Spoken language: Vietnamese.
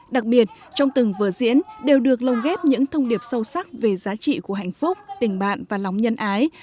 đặc biệt trong từng vở diễn đều được lồng ghép những thông điệp sâu sắc về giá trị của hạnh phúc tình bạn và lòng nhân ái